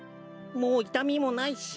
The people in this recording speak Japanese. もういたみもないし。